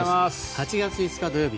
８月５日土曜日